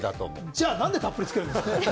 じゃあ、なんでたっぷりつけるんですか？